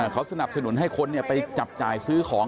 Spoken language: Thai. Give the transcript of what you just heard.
เขาสนับสนุนให้คนไปจับจ่ายซื้อของ